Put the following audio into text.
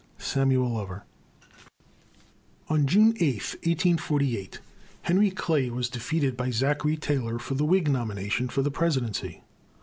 SAMUEL LOVER. On June 8, 1848, Henry Clay was defeated by Zachary Taylor for the Whig nomination for the presidency.